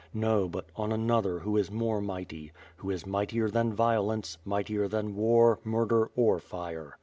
No; but on another who is more mighty, who is mightier than violence, mightier than war, murder, or fire.